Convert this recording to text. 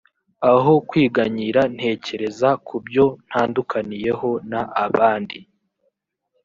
aho kwiganyira ntekereza ku byo ntandukaniyeho n abandi